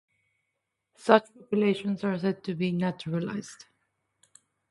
Such populations are said to be naturalised.